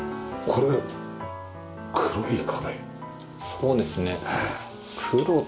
そうですか。